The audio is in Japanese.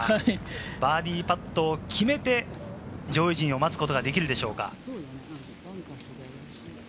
バーディーパットを決めて、上位陣を待つことができるでしょうか。